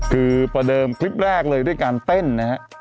คือประเดิมคลิปแรกเลยด้วยการเต้นนะฮะ